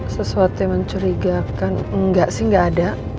sesuatu yang mencurigakan enggak sih enggak ada